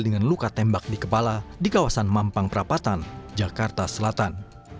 dengan luka tembak di kepala di kawasan mampang perapatan jakarta selatan